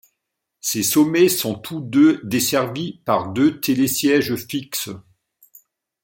Ces sommets sont tous deux desservis par deux télésièges fixes.